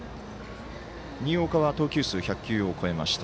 新岡は投球数１００球を超えました。